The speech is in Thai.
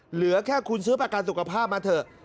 เหลือแค่คุณซื้อประกันสุขภาพมาเถอะ